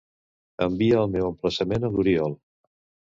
Envia el meu emplaçament a l'Oriol.